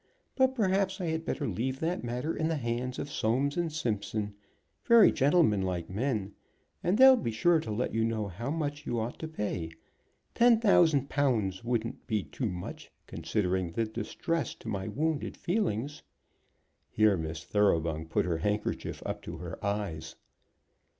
But perhaps I had better leave that matter in the hands of Soames & Simpson, very gentleman like men, and they'll be sure to let you know how much you ought to pay. Ten thousand pounds wouldn't be too much, considering the distress to my wounded feelings." Here Miss Thoroughbung put her handkerchief up to her eyes.